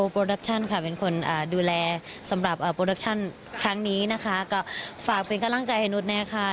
โปรดักชั่นค่ะเป็นคนดูแลสำหรับโปรดักชั่นครั้งนี้นะคะก็ฝากเป็นกำลังใจให้นุษย์นะคะ